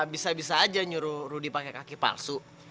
bisa bisa aja nyuruh rudy pakai kaki palsu